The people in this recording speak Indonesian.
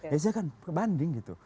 ya sudah kan banding gitu